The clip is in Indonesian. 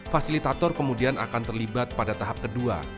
fasilitator kemudian akan terlibat pada tahap kedua